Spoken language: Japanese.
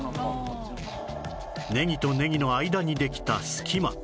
ねぎとねぎの間にできた隙間